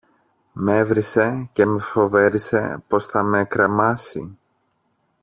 μ' έβρισε και με φοβέρισε πως θα με κρεμάσει